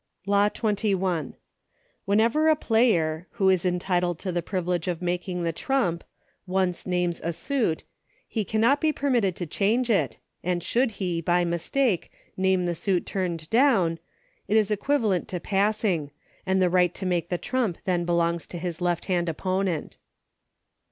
6 98 EUCHRE, Law XXI. Whenever a player, who is entitled to the privilege of making the trump, once names a suit, he cannot be permitted to change it, and should he, by mistake, name the suit turned down, it is equivalent to passing, and the right to make the trump then belongs to his left hand opponent.